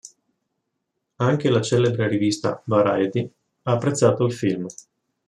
Anche la celebre rivista "Variety" ha apprezzato il film.